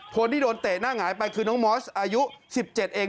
คนที่โดนเตะหน้าหงายไปคือน้องมอสอายุ๑๗เอง